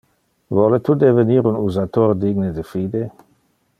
Vole tu devenir un usator digne de fide?